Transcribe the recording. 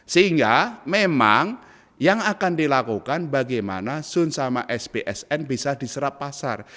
sehingga memang yang akan dilakukan bagaimana sun sama sbsn bisa diserap pasar